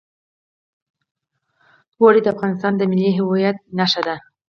اوړي د افغانستان د ملي هویت نښه ده.